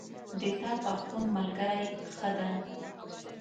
د تا پښتون ملګری ښه ده